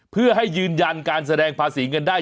เพื่อให้ยืนยันการแสดงภาษีเงินได้